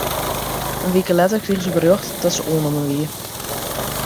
In wike letter krige se berjocht dat se oannommen wie.